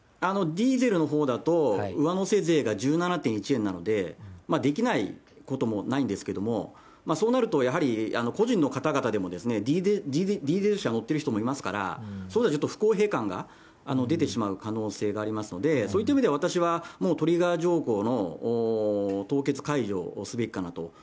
ディーゼルのほうだと、上乗せ税が１７．１円なので、できないこともないんですけど、そうなると、やはり個人の方々でも、ディーゼル車乗ってる人もいますから、そうするとちょっと不公平感が出てしまう可能性がありますので、そういった意味では、私はもうトリガー条項の凍結解除すべきかなと。